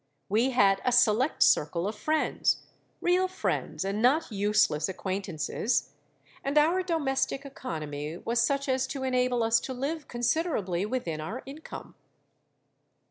We had a select circle of friends—real friends, and not useless acquaintances; and our domestic economy was such as to enable us to live considerably within our income.